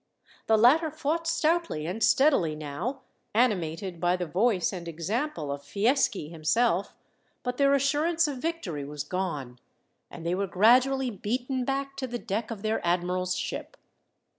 The latter fought stoutly and steadily now, animated by the voice and example of Fieschi himself; but their assurance of victory was gone, and they were gradually beaten back to the deck of their admiral's ship.